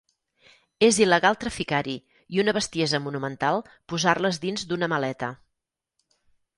És il·legal traficar-hi i una bestiesa monumental posar-les dins d'una maleta.